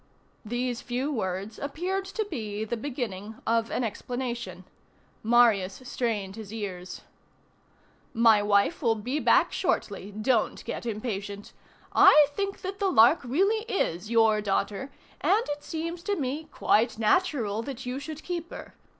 These few words appeared to be the beginning of an explanation. Marius strained his ears. "My wife will be back shortly, don't get impatient. I think that the Lark really is your daughter, and it seems to me quite natural that you should keep her.